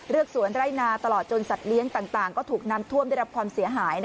สวนไร่นาตลอดจนสัตว์เลี้ยงต่างก็ถูกน้ำท่วมได้รับความเสียหาย